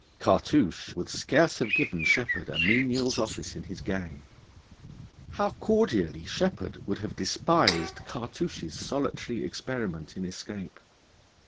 Cartouche would scarce have given Sheppard a menial's office in his gang. How cordially Sheppard would have despised Cartouche's solitary experiment in escape!